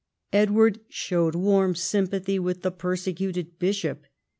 Edward showed warm sympathy with the persecuted bishop.